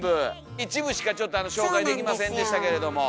一部しかちょっとあの紹介できませんでしたけれども。